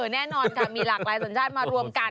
แน่นอนค่ะมีหลากหลายสัญชาติมารวมกัน